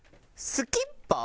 「スキッパー」。